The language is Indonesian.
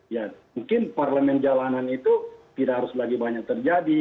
ya mungkin parlemen jalanan itu tidak harus lagi banyak terjadi